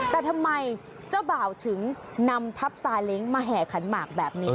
แต่ทำไมเจ้าบ่าวถึงนำทัพซาเล้งมาแห่ขันหมากแบบนี้